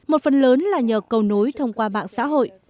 một phần lớn là nhờ cầu nối thông qua mạng xã hội